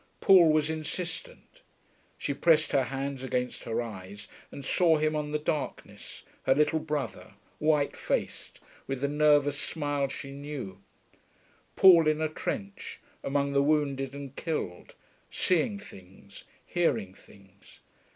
Paul was insistent; she pressed her hands against her eyes and saw him on the darkness, her little brother, white faced, with the nervous smile she knew; Paul in a trench, among the wounded and killed, seeing things, hearing things